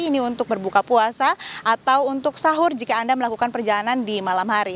ini untuk berbuka puasa atau untuk sahur jika anda melakukan perjalanan di malam hari